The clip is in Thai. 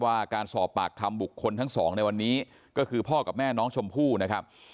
ว่าการสอบปากคำบุคคลทั้งสองในวันนี้ก็คือพ่อกับแม่น้องชมพู่นะครับ